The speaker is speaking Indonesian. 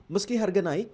meski harga naik